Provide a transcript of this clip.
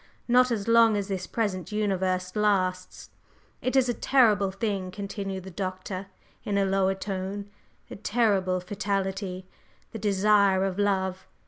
Not as long as this present universe lasts! It is a terrible thing," continued the Doctor in a lower tone, "a terrible fatality, the desire of love.